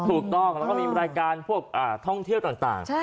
ถูกต้องแล้วก็มีรายการพวกท่องเที่ยวต่าง